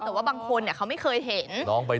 แต่ว่าบางคนเขาไม่เคยเห็นว่ามันคืออะไร